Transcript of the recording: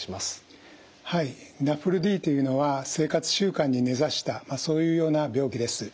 はいＮＡＦＬＤというのは生活習慣に根ざしたそういうような病気です。